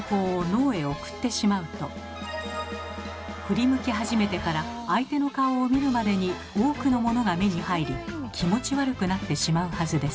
振り向き始めてから相手の顔を見るまでに多くのものが目に入り気持ち悪くなってしまうはずです。